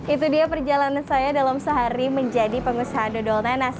itu dia perjalanan saya dalam sehari menjadi pengusaha dodol nanas